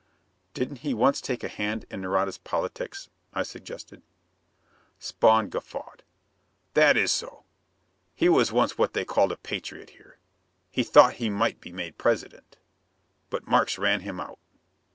"Didn't he once take a hand in Nareda's politics?" I suggested. Spawn guffawed. "That is so. He was once what they called a patriot here. He thought he might be made President. But Markes ran him out.